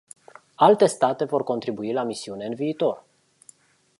Alte state vor contribui la misiune în viitor.